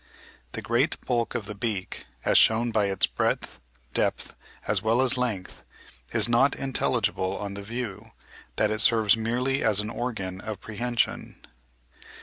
The great bulk of the beak, as shewn by its breadth, depth, as well as length, is not intelligible on the view, that it serves merely as an organ of prehension.